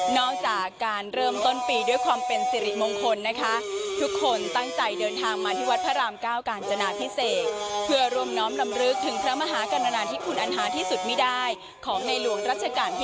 พระรามก้าวกาญจนาพิเศษครับ